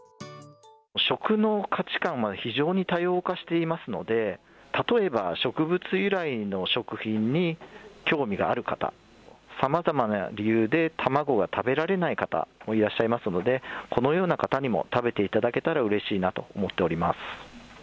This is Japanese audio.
食の価値観は非常に多様化していますので、例えば植物由来の食品に興味がある方、さまざまな理由で卵が食べられない方もいらっしゃいますので、このような方にも食べていただけたらうれしいなと思っております。